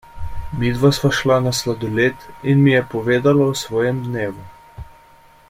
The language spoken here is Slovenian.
Midva sva šla na sladoled in mi je povedala o svojem dnevu.